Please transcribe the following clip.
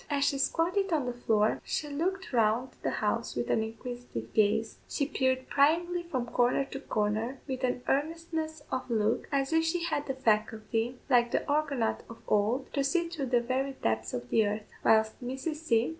As she squatted on the floor, she looked round the house with an inquisitive gaze; she peered pryingly from corner to corner, with an earnestness of look, as if she had the faculty, like the Argonaut of old, to see through the very depths of the earth, whilst Mrs. C.